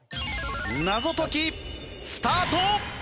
謎解きスタート！